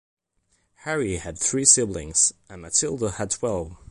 Harry had three siblings and Matilda had twelve.